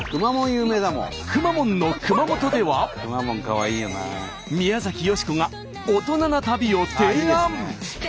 くまモンの熊本では宮崎美子が大人な旅を提案。